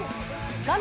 画面